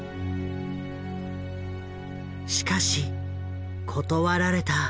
しかし断られた。